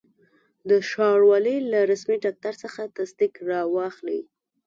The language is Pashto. د ښاروالي له رسمي ډاکټر څخه تصدیق را واخلئ.